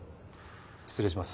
失礼します。